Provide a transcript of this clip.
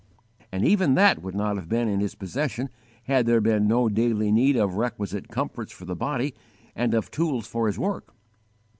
And even that would not have been in his possession had there been no daily need of requisite comforts for the body and of tools for his work.